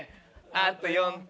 あと４点！